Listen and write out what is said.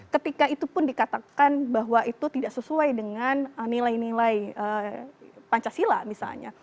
ketika itu pun dikatakan bahwa itu tidak sesuai dengan nilai nilai pancasila misalnya